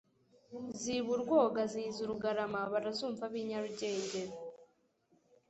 Ziba urwoga ziza UrugaramaBarazumva ab' i Nyarugenge